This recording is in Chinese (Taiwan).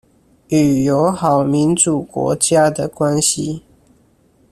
與友好民主國家的關係